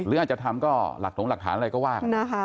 หรืออาจจะทำก็หลักถงหลักฐานอะไรก็ว่า